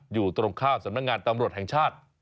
อยู่ตรงข้ามสำนักงานตำรวจแห่งชาติ